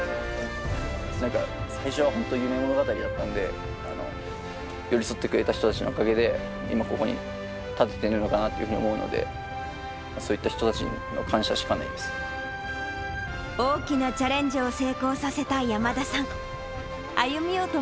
最初は本当に夢物語だったんで、寄り添ってくれた人たちのおかげで今、ここに立ててるのかなというふうに思うので、そういった人大きなチャレンジを成功させた山田さん。